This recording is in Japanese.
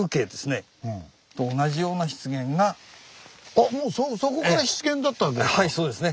あもうそこから湿原だったわけですか。